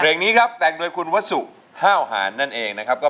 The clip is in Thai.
นี้ครับแต่งโดยคุณวัสสุห้าวหารนั่นเองนะครับ